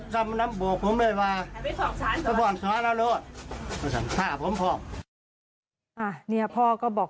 ชั้นกลัวจะได้รับ